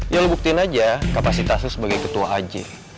ya lo buktiin aja kapasitas lo sebagai ketua aj